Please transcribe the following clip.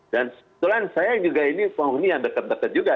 dan kebetulan saya juga ini penghuni yang dekat dekat juga